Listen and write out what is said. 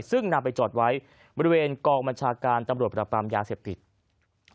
ซึ่งนำไปจอดไว้บริเวณกองบัญชาการตำรวจประปามยาเสพติด